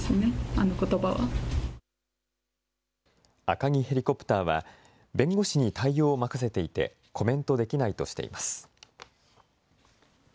アカギヘリコプターは、弁護士に対応を任せていてコメントできないとしています。